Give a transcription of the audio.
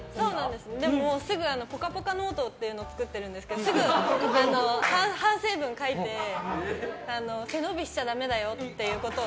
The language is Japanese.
でも、「ぽかぽか」ノートっていうのを作ってるんですけどすぐ反省文を書いて背伸びしちゃだめだよっていうことを。